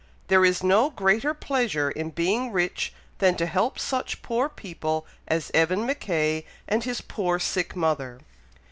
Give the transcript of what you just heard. There is no greater pleasure in being rich than to help such poor people as Evan Mackay and his poor sick mother!"